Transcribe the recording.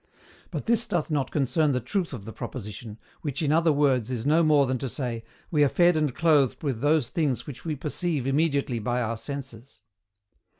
But this doth not concern the truth of the proposition, which in other words is no more than to say, we are fed and clothed with those things which we perceive immediately by our senses.